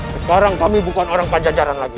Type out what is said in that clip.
sekarang kami bukan orang pajajaran lagi